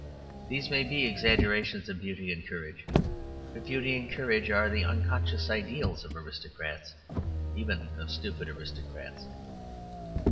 These may be exaggerations of beauty and courage, but beauty and courage are the unconscious ideals of aristocrats, even of stupid aristocrats.